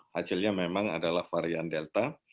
hasilnya memang adalah varian delta